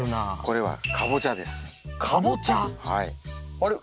あれ？